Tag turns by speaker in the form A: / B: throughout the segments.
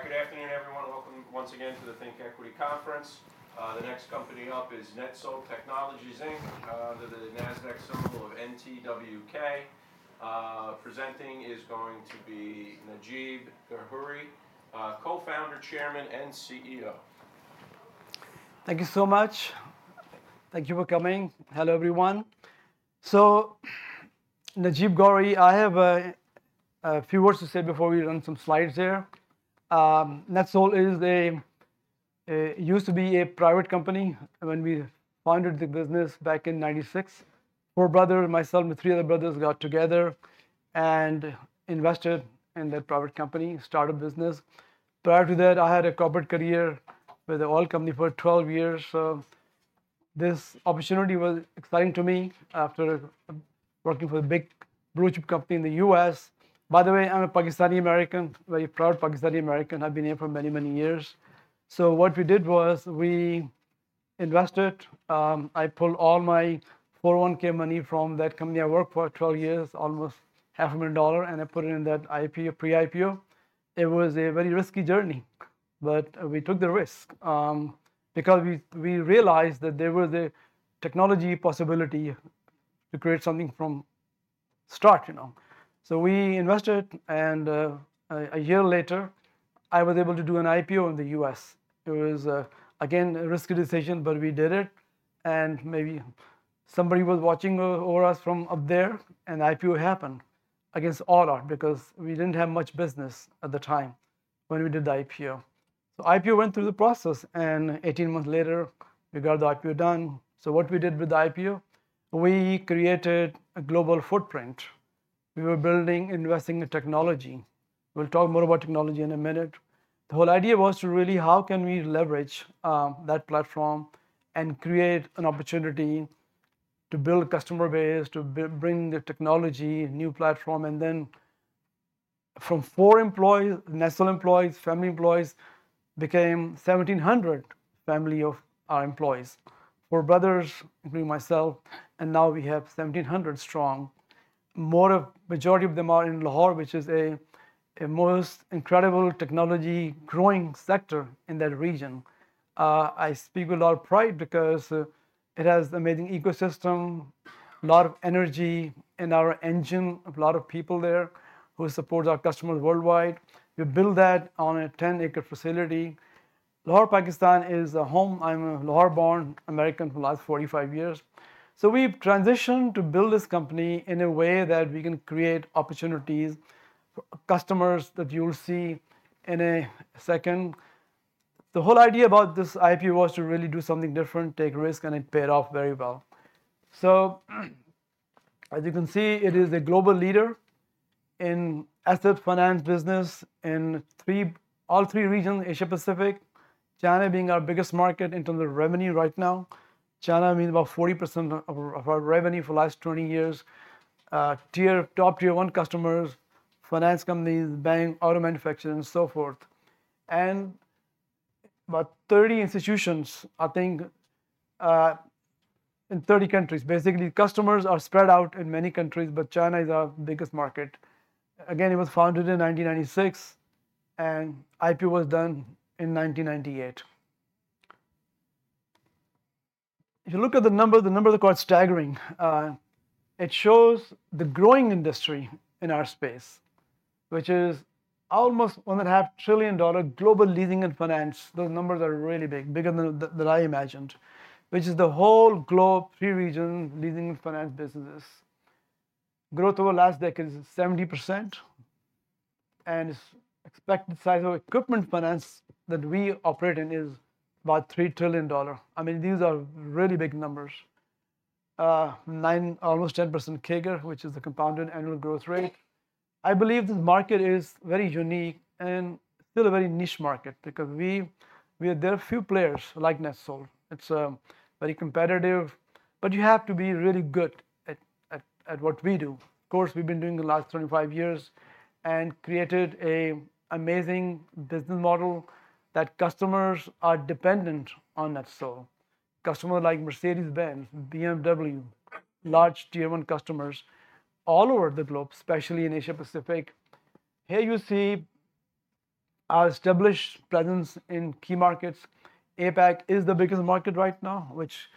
A: All right. Good afternoon, everyone. Welcome once again to the ThinkEquity Conference. The next company up is NetSol Technologies, Inc., under the Nasdaq symbol of NTWK. Presenting is going to be Najeeb Ghauri, Co-founder, Chairman, and CEO.
B: Thank you so much. Thank you for coming. Hello, everyone. So, Najeeb Ghauri, I have a few words to say before we run some slides there. NetSol used to be a private company when we founded the business back in 1996. Four brothers, myself and three other brothers, got together and invested in that private company, started a business. Prior to that, I had a corporate career with an oil company for 12 years. So this opportunity was exciting to me after working for a big blue-chip company in the U.S. By the way, I'm a Pakistani American, a very proud Pakistani American. I've been here for many, many years. So what we did was we invested. I pulled all my 401(k) money from that company I worked for 12 years, almost $500,000, and I put it in that IPO, pre-IPO. It was a very risky journey, but we took the risk because we realized that there was a technology possibility to create something from scratch, so we invested, and a year later, I was able to do an IPO in the U.S. It was, again, a risky decision, but we did it, and maybe somebody was watching over us from up there, and the IPO happened against all odds because we didn't have much business at the time when we did the IPO, so the IPO went through the process, and 18 months later, we got the IPO done, so what we did with the IPO? We created a global footprint. We were building, investing in technology. We'll talk more about technology in a minute. The whole idea was, really, how can we leverage that platform and create an opportunity to build a customer base, to bring the technology, new platform. And then from four employees, NetSol employees, family employees, became 1,700 family of our employees, four brothers, including myself. And now we have 1,700 strong. The majority of them are in Lahore, which is the most incredible technology-growing sector in that region. I speak with a lot of pride because it has an amazing ecosystem, a lot of energy, our engineers, a lot of people there who support our customers worldwide. We built that on a 10-acre facility. Lahore, Pakistan, is a home. I'm a Lahore-born American for the last 45 years. So we've transitioned to build this company in a way that we can create opportunities for customers that you'll see in a second. The whole idea about this IPO was to really do something different, take risk, and it paid off very well. So as you can see, it is a global leader in asset finance business in all three regions, Asia-Pacific, China being our biggest market in terms of revenue right now. China means about 40% of our revenue for the last 20 years. Top Tier 1 customers, finance companies, banks, auto manufacturers, and so forth, and about 30 institutions, I think, in 30 countries. Basically, customers are spread out in many countries, but China is our biggest market. Again, it was founded in 1996, and the IPO was done in 1998. If you look at the numbers, the numbers are quite staggering. It shows the growing industry in our space, which is almost $1.5 trillion global leasing and finance. Those numbers are really big, bigger than I imagined, which is the whole globe, three regions, leasing and finance businesses. Growth over the last decade is 70%, and the expected size of equipment finance that we operate in is about $3 trillion. I mean, these are really big numbers, almost 10% CAGR, which is the compound annual growth rate. I believe this market is very unique and still a very niche market because there are few players like NetSol. It's very competitive, but you have to be really good at what we do. Of course, we've been doing it for the last 25 years and created an amazing business model that customers are dependent on NetSol. Customers like Mercedes-Benz, BMW, large Tier 1 customers all over the globe, especially in Asia-Pacific. Here you see our established presence in key markets. APAC is the biggest market right now, which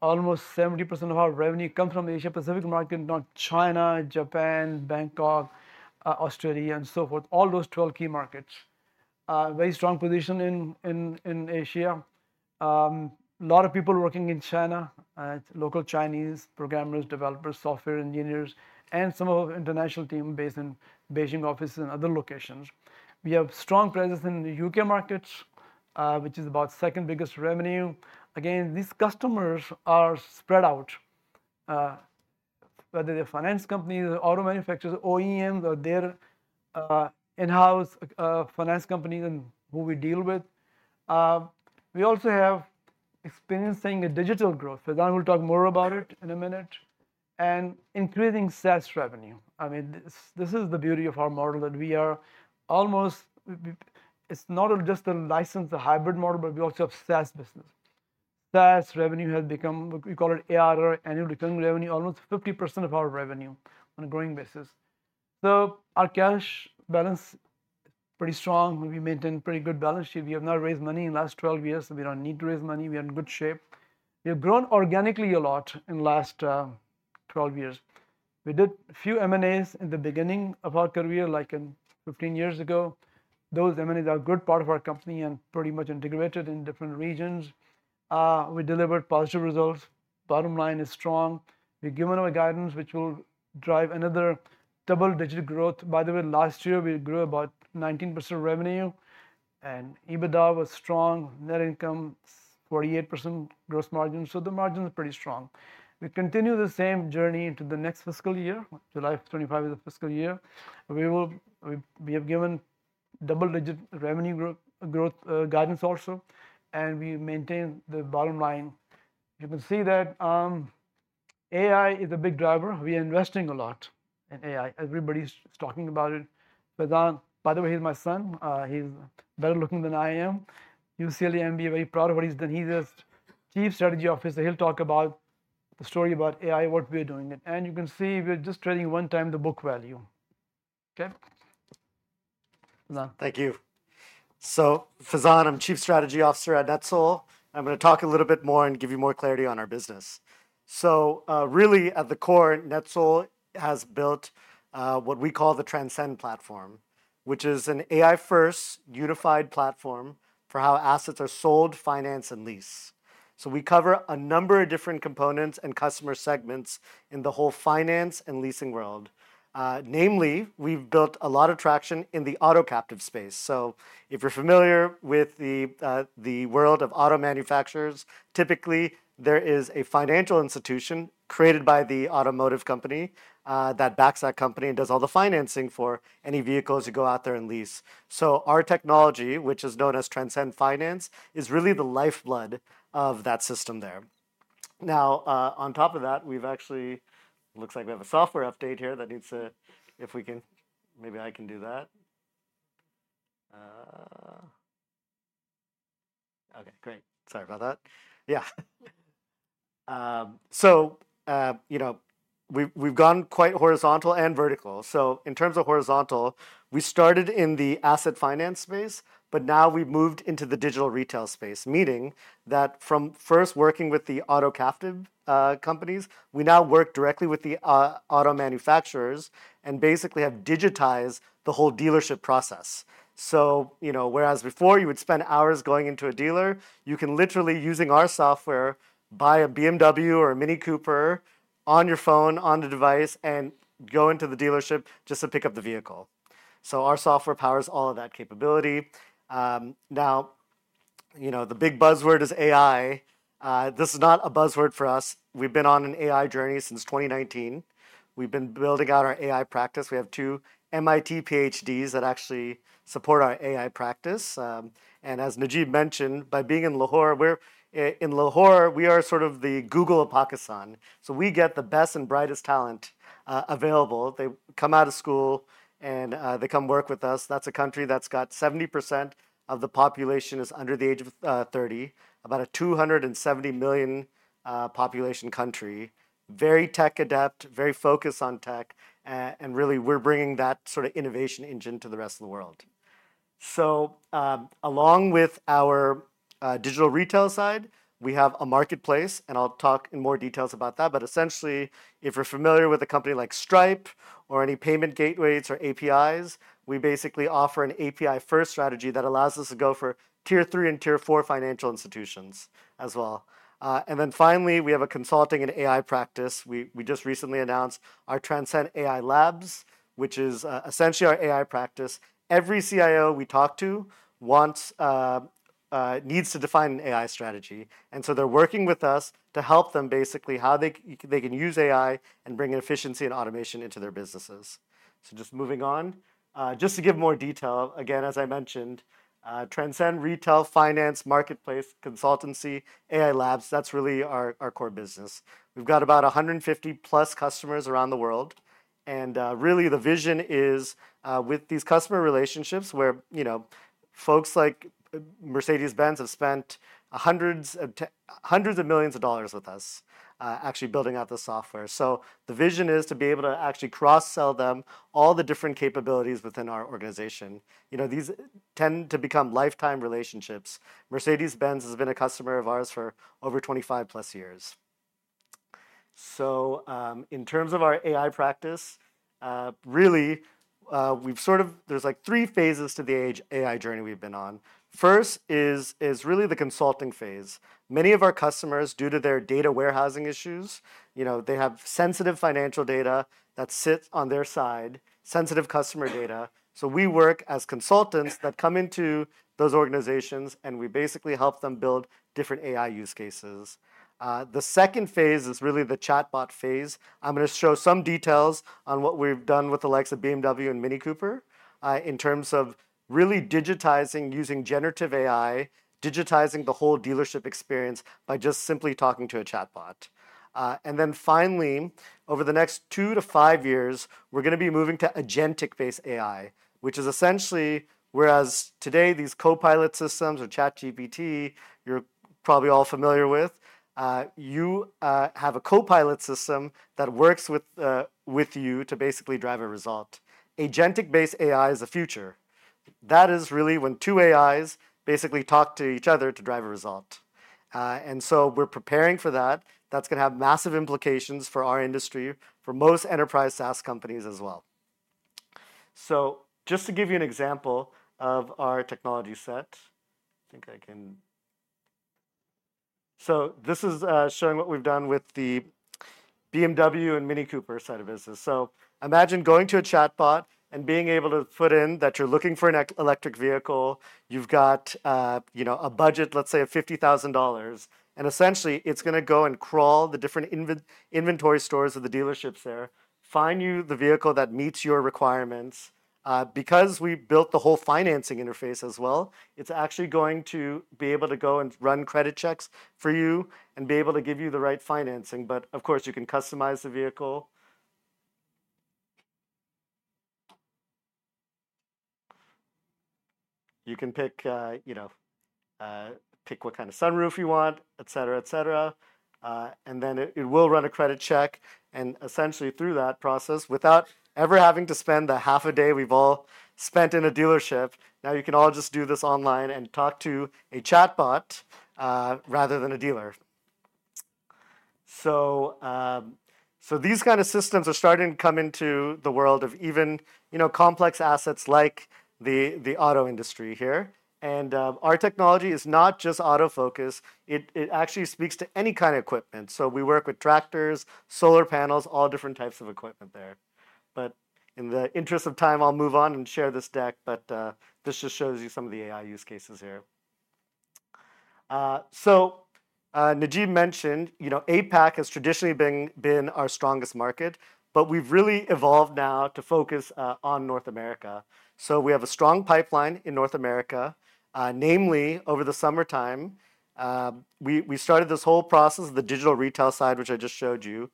B: almost 70% of our revenue comes from the Asia-Pacific market, not China, Japan, Bangkok, Australia, and so forth, all those 12 key markets. Very strong position in Asia. A lot of people working in China, local Chinese, programmers, developers, software engineers, and some of our international team based in Beijing offices and other locations. We have strong presence in the U.K. markets, which is about the second biggest revenue. Again, these customers are spread out, whether they're finance companies, auto manufacturers, OEMs, or their in-house finance companies and who we deal with. We also have experience in digital growth. So now we'll talk more about it in a minute and increasing SaaS revenue. I mean, this is the beauty of our model that we are almost, it's not just a license, a hybrid model, but we also have SaaS business. SaaS revenue has become, we call it ARR, annual recurring revenue, almost 50% of our revenue on a growing basis. So our cash balance is pretty strong. We maintain a pretty good balance sheet. We have not raised money in the last 12 years, so we don't need to raise money. We are in good shape. We have grown organically a lot in the last 12 years. We did a few M&As in the beginning of our career, like 15 years ago. Those M&As are a good part of our company and pretty much integrated in different regions. We delivered positive results. Bottom line is strong. We've given our guidance, which will drive another double-digit growth. By the way, last year, we grew about 19% revenue, and EBITDA was strong, net income 48% gross margin. So the margin is pretty strong. We continue the same journey into the next fiscal year. July 25 is the fiscal year. We have given double-digit revenue growth guidance also, and we maintain the bottom line. You can see that AI is a big driver. We are investing a lot in AI. Everybody's talking about it. By the way, here's my son. He's better looking than I am. UCLA MBA, very proud of what he's done. He's a Chief Strategy Officer. He'll talk about the story about AI, what we are doing. You can see we're just trading one time the book value. Okay?
C: Thank you. So Faizaan, I'm Chief Strategy Officer at NetSol. I'm going to talk a little bit more and give you more clarity on our business. So really, at the core, NetSol has built what we call the Ascent platform, which is an AI-first unified platform for how assets are sold, financed, and leased. So we cover a number of different components and customer segments in the whole finance and leasing world. Namely, we've built a lot of traction in the auto captive space. So if you're familiar with the world of auto manufacturers, typically, there is a financial institution created by the automotive company that backs that company and does all the financing for any vehicles you go out there and lease. So our technology, which is known as Ascent Finance, is really the lifeblood of that system there. Now, on top of that, we've actually, it looks like we have a software update here that needs to, if we can, maybe I can do that. Okay, great. Sorry about that. Yeah. So we've gone quite horizontal and vertical. So in terms of horizontal, we started in the asset finance space, but now we've moved into the digital retail space, meaning that from first working with the auto captive companies, we now work directly with the auto manufacturers and basically have digitized the whole dealership process. So whereas before you would spend hours going into a dealer, you can literally, using our software, buy a BMW or a MINI Cooper on your phone, on the device, and go into the dealership just to pick up the vehicle. So our software powers all of that capability. Now, the big buzzword is AI. This is not a buzzword for us. We've been on an AI journey since 2019. We've been building out our AI practice. We have two MIT PhDs that actually support our AI practice. And as Najeeb mentioned, by being in Lahore, we are sort of the Google of Pakistan. So we get the best and brightest talent available. They come out of school, and they come work with us. That's a country that's got 70% of the population under the age of 30, about a 270-million-population country, very tech adept, very focused on tech. And really, we're bringing that sort of innovation engine to the rest of the world. So along with our digital retail side, we have a marketplace, and I'll talk in more details about that. Essentially, if you're familiar with a company like Stripe or any payment gateways or APIs, we basically offer an API-first strategy that allows us to go for Tier 3 and Tier 4 financial institutions as well. Then finally, we have a consulting and AI practice. We just recently announced our Ascent AI Labs, which is essentially our AI practice. Every CIO we talk to needs to define an AI strategy. So they're working with us to help them basically how they can use AI and bring efficiency and automation into their businesses. Just moving on, just to give more detail, again, as I mentioned, Ascent Retail Finance Marketplace, Consultancy, AI Labs, that's really our core business. We've got about 150-plus customers around the world. Really, the vision is with these customer relationships where folks like Mercedes-Benz have spent hundreds of millions of dollars with us actually building out the software. The vision is to be able to actually cross-sell them all the different capabilities within our organization. These tend to become lifetime relationships. Mercedes-Benz has been a customer of ours for over 25-plus years. In terms of our AI practice, really, we've sort of, there's like three phases to the AI journey we've been on. First is really the consulting phase. Many of our customers, due to their data warehousing issues, they have sensitive financial data that sits on their side, sensitive customer data. We work as consultants that come into those organizations, and we basically help them build different AI use cases. The second phase is really the chatbot phase. I'm going to show some details on what we've done with the likes of BMW and MINI in terms of really digitizing, using generative AI, digitizing the whole dealership experience by just simply talking to a chatbot, and then finally, over the next two to five years, we're going to be moving to agentic-based AI, which is essentially, whereas today these Copilot systems or ChatGPT, you're probably all familiar with, you have a Copilot system that works with you to basically drive a result. Agentic-based AI is the future. That is really when two AIs basically talk to each other to drive a result. And so we're preparing for that. That's going to have massive implications for our industry, for most enterprise SaaS companies as well. So just to give you an example of our technology set, I think I can, so this is showing what we've done with the BMW and MINI side of business, so imagine going to a chatbot and being able to put in that you're looking for an electric vehicle. You've got a budget, let's say, of $50,000. And essentially, it's going to go and crawl the different inventory stores of the dealerships there, find you the vehicle that meets your requirements. Because we built the whole financing interface as well, it's actually going to be able to go and run credit checks for you and be able to give you the right financing, but of course, you can customize the vehicle. You can pick what kind of sunroof you want, et cetera, et cetera, and then it will run a credit check. Essentially, through that process, without ever having to spend the half a day we've all spent in a dealership, now you can all just do this online and talk to a chatbot rather than a dealer. So these kind of systems are starting to come into the world of even complex assets like the auto industry here. Our technology is not just auto finance. It actually speaks to any kind of equipment. So we work with tractors, solar panels, all different types of equipment there. But in the interest of time, I'll move on and share this deck. But this just shows you some of the AI use cases here. So Najeeb mentioned APAC has traditionally been our strongest market, but we've really evolved now to focus on North America. So we have a strong pipeline in North America. Namely, over the summertime, we started this whole process, the digital retail side, which I just showed you.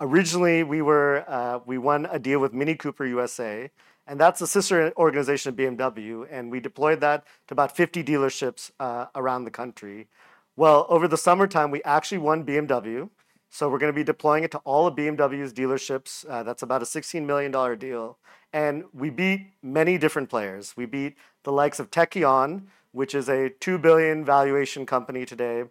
C: Originally, we won a deal with MINI Cooper USA, and that's a sister organization of BMW, and we deployed that to about 50 dealerships around the country, well, over the summertime, we actually won BMW, so we're going to be deploying it to all of BMW's dealerships. That's about a $16 million deal, and we beat many different players. We beat the likes of Tekion, which is a $2 billion valuation company today,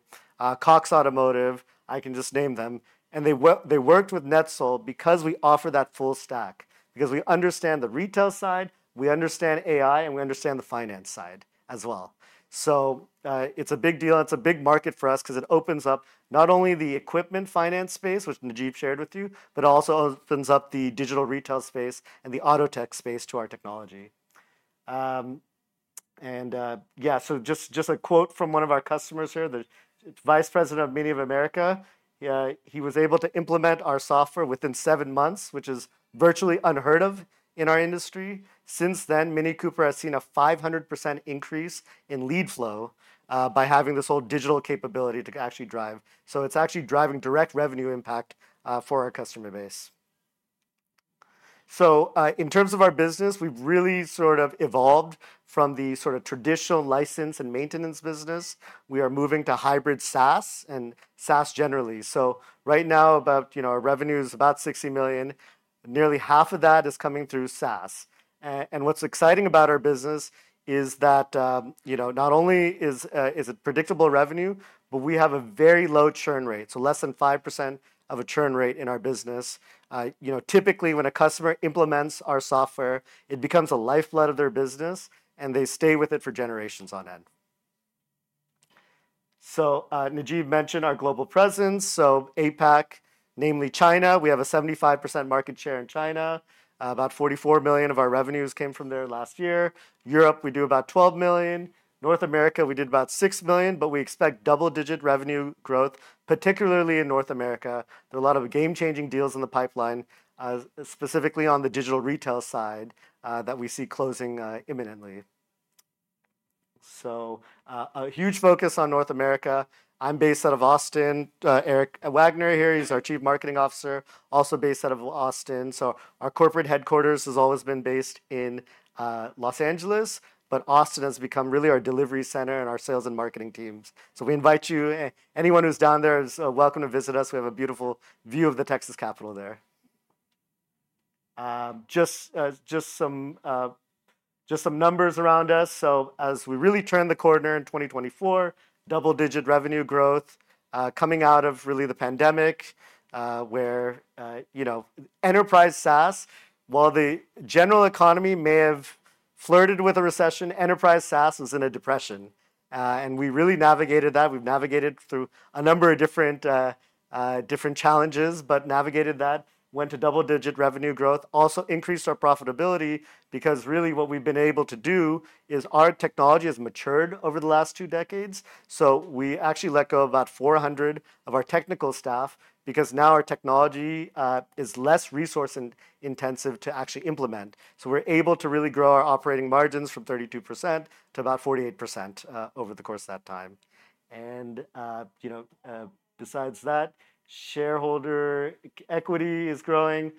C: Cox Automotive, I can just name them, and they worked with NetSol because we offer that full stack, because we understand the retail side, we understand AI, and we understand the finance side as well, so it's a big deal. It's a big market for us because it opens up not only the equipment finance space, which Najeeb shared with you, but also opens up the digital retail space and the auto tech space to our technology. And yeah, so just a quote from one of our customers here, the vice president of MINI of America. He was able to implement our software within seven months, which is virtually unheard of in our industry. Since then, MINI Cooper has seen a 500% increase in lead flow by having this whole digital capability to actually drive. So it's actually driving direct revenue impact for our customer base. So in terms of our business, we've really sort of evolved from the sort of traditional license and maintenance business. We are moving to hybrid SaaS and SaaS generally. So right now, our revenue is about $60 million. Nearly half of that is coming through SaaS. And what's exciting about our business is that not only is it predictable revenue, but we have a very low churn rate, so less than 5% churn rate in our business. Typically, when a customer implements our software, it becomes a lifeblood of their business, and they stay with it for generations on end. So Najeeb mentioned our global presence. So APAC, namely China, we have a 75% market share in China. About $44 million of our revenues came from there last year. Europe, we do about $12 million. North America, we did about $6 million, but we expect double-digit revenue growth, particularly in North America. There are a lot of game-changing deals in the pipeline, specifically on the digital retail side that we see closing imminently. So a huge focus on North America. I'm based out of Austin. Eric Wagner here, he's our Chief Marketing Officer, also based out of Austin. So our corporate headquarters has always been based in Los Angeles, but Austin has become really our delivery center, and our sales and marketing teams. So we invite you, anyone who's down there is welcome to visit us. We have a beautiful view of the Texas Capitol there. Just some numbers around us. So as we really turn the corner in 2024, double-digit revenue growth coming out of really the pandemic where enterprise SaaS, while the general economy may have flirted with a recession, enterprise SaaS was in a depression, and we really navigated that. We've navigated through a number of different challenges, but navigated that, went to double-digit revenue growth, also increased our profitability because really what we've been able to do is our technology has matured over the last two decades. So we actually let go of about 400 of our technical staff because now our technology is less resource-intensive to actually implement. So we're able to really grow our operating margins from 32% to about 48% over the course of that time. And besides that, shareholder equity is growing.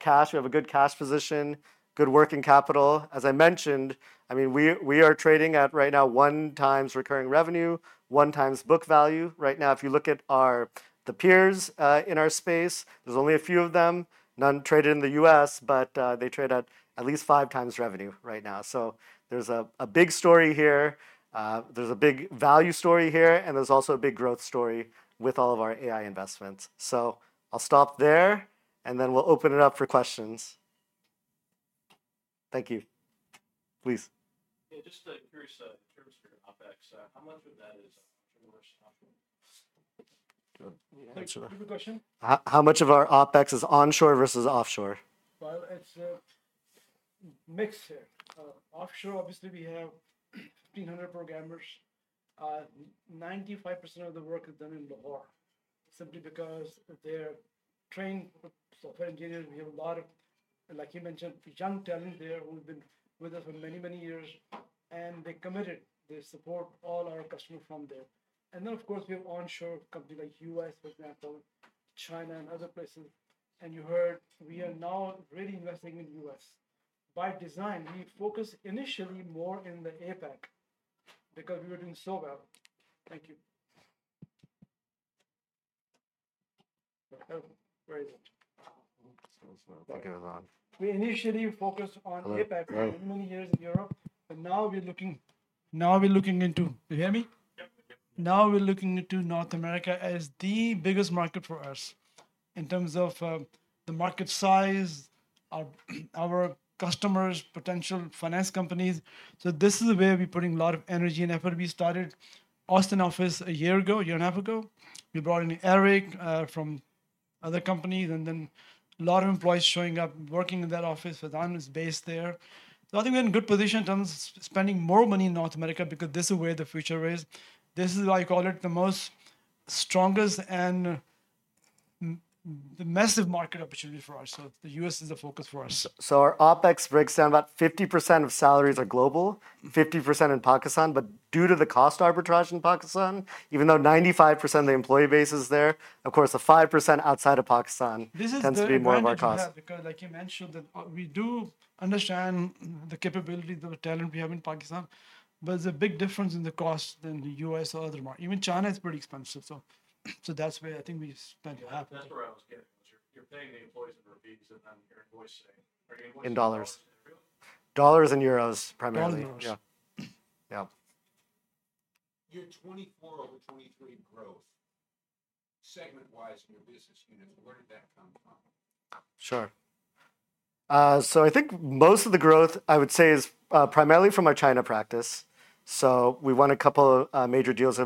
C: Cash, we have a good cash position, good working capital. As I mentioned, I mean, we are trading at right now one times recurring revenue, one times book value. Right now, if you look at the peers in our space, there's only a few of them. None traded in the U.S., but they trade at least five times revenue right now. So there's a big story here. There's a big value story here, and there's also a big growth story with all of our AI investments. So I'll stop there, and then we'll open it up for questions. Thank you. Please. Yeah, just curious in terms of your OpEx, how much of that is onshore versus offshore? Thanks for that. How much of our OpEx is onshore versus offshore?
B: Well, it's mixed here. Offshore, obviously, we have 1,500 programmers. 95% of the work is done in Lahore simply because they're trained software engineers. We have a lot of, like you mentioned, young talent there who have been with us for many, many years. And they committed. They support all our customers from there. And then, of course, we have onshore companies like U.S., for example, China, and other places. And you heard, we are now really investing in the U.S. By design, we focused initially more in the APAC because we were doing so well. Thank you. Where is it? We initially focused on APAC for many, many years in Europe. But now we're looking into - do you hear me? Now we're looking into North America as the biggest market for us in terms of the market size, our customers, potential finance companies, so this is where we're putting a lot of energy and effort. We started Austin office a year ago, a year and a half ago. We brought in Eric from other companies and then a lot of employees showing up, working in that office, so Don is based there, so I think we're in a good position in terms of spending more money in North America because this is where the future is. This is why I call it the most strongest and the massive market opportunity for us, so the US is the focus for us, so our OpEx breaks down about 50% of salaries are global, 50% in Pakistan.
C: But due to the cost arbitrage in Pakistan, even though 95% of the employee base is there, of course, the 5% outside of Pakistan tends to be more of our cost. Because, like you mentioned, we do understand the capability, the talent we have in Pakistan, but there's a big difference in the cost than the U.S. or other markets. Even China is pretty expensive. So that's where I think we spend a half. That's where I was getting. You're paying the employees in rupees and then you're invoicing in dollars. Dollars and euros, primarily.
B: Dollars and euros.
C: Yeah. Yeah. Your 2024 over 2023 growth segment-wise in your business units, where did that come from? Sure. So I think most of the growth, I would say, is primarily from our China practice. So we won a couple of major deals.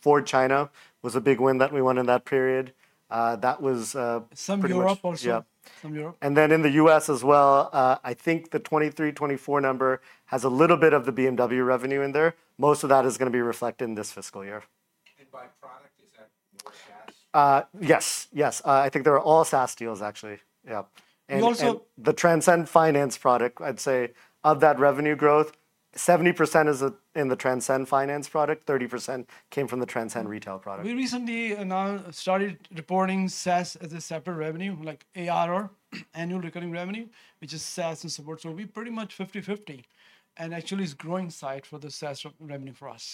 C: Ford China was a big win that we won in that period. That was some Europe also. Some Europe. And then in the U.S. as well, I think the 2023, 2024 number has a little bit of the BMW revenue in there. Most of that is going to be reflected in this fiscal year. And by product, is that more SaaS? Yes. Yes. I think they were all SaaS deals, actually. Yeah. And the Ascent Finance product, I'd say, of that revenue growth, 70% is in the Ascent Finance product. 30% came from the Ascent Retail product.
B: We recently now started reporting SaaS as a separate revenue, like ARR, annual recurring revenue, which is SaaS and support. So we're pretty much 50-50. And actually, it's a growing side for the SaaS revenue for us.